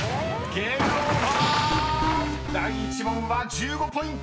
［第１問は１５ポイント］